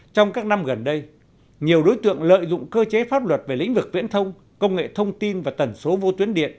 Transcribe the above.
trong các năm gần đây nhiều đối tượng lợi dụng cơ chế pháp luật về lĩnh vực viễn thông công nghệ thông tin và tần số vô tuyến điện